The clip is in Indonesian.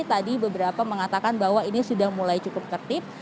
tadi beberapa mengatakan bahwa ini sudah mulai cukup tertib